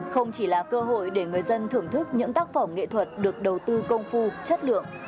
không chỉ là cơ hội để người dân thưởng thức những tác phẩm nghệ thuật được đầu tư công phu chất lượng